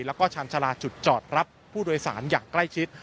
แล้วก็ชาญชาลาจุดจอดรับผู้โดยสารอย่างใกล้ชิด